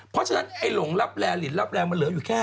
เพราะฉะนั้นไอ้หลงรับแร่หลินรับแรงมันเหลืออยู่แค่